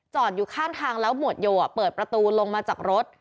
อยู่ข้างทางแล้วหมวดโยเปิดประตูลงมาจากรถ